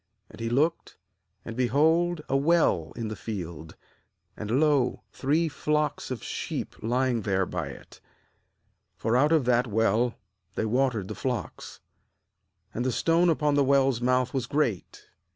*Aud he looked, and behold a well in the field, and lo three flocks of sheep lying there by it — For out of that well they watered the flocks. And the stone upon the well's mouth was great.